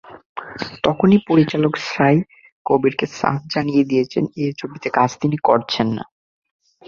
তখনই পরিচালক সাই কবিরকে সাফ জানিয়ে দিয়েছেন—এই ছবিতে কাজ তিনি করছেন না।